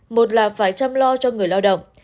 một là phải chăm lo cho người lao động